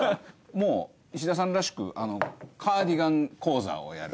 もう石田さんらしくカーディガン講座をやる。